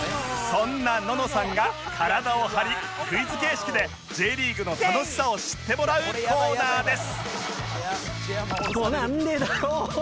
そんなののさんが体を張りクイズ形式で Ｊ リーグの楽しさを知ってもらうコーナーです